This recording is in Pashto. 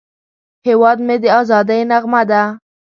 هیواد مې د ازادۍ نغمه ده